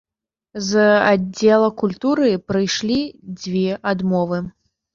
З аддзела культуры прыйшлі дзве адмовы.